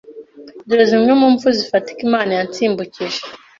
Dore zimwe mu mpfu zifatika Imana yansimbukije: